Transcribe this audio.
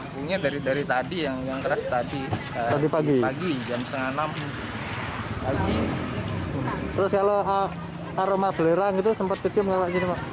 pada pagi tadi jam enam tiga puluh pagi